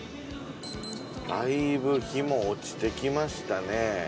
だいぶ日も落ちてきましたね。